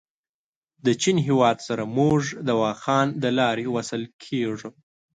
د چین هېواد سره موږ د واخان دلاري وصل کېږو.